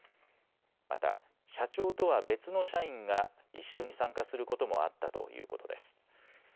また社長とは別の社員が一緒に参加することもあったということです。